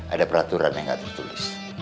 ada peraturan yang nggak tertulis